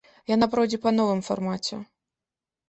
Яна пройдзе па новым фармаце.